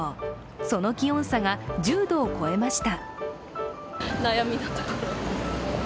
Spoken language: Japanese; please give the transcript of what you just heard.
その気温差が１０度を超えました。